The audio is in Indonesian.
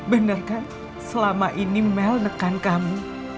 bener kan selama ini mel nekan kamu